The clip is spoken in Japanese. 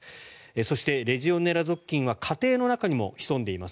そして、レジオネラ属菌は家庭の中にも潜んでいます。